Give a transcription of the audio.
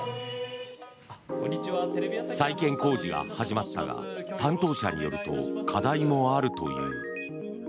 再建工事が始まったが担当者によると課題もあるという。